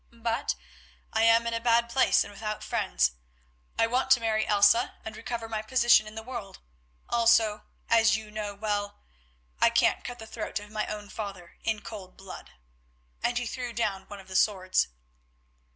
But I am in a bad place and without friends. I want to marry Elsa and recover my position in the world; also, as you know well, I can't cut the throat of my own father in cold blood," and he threw down one of the swords.